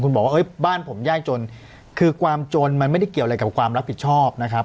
คุณบอกว่าเอ้ยบ้านผมยากจนคือความจนมันไม่ได้เกี่ยวอะไรกับความรับผิดชอบนะครับ